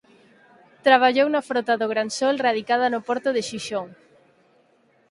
Traballou na frota do Gran Sol radicada no porto de Xixón.